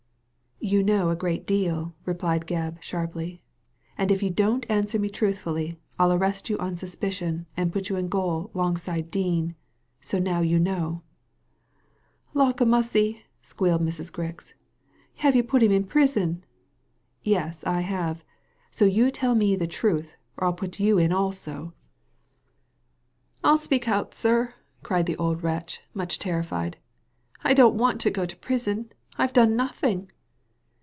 You know a great deal," replied Gebb, sharply. " And if you don't answer me truthfully, I'll arrest you on suspicion and put you in gaol 'longside of Dean ; so now you know." " Lawk a mussy !" squealed Mrs. Grix, *' have you put him in prison ?" "Yes, I have ; so you tell me the truth, or I'll put you in also I '* Digitized by Google 220 THE LADY FROM NOWHERE " 111 speak out, sir," cried the old wretch, much terrified. " I don't want to go to prison. I've done nothing.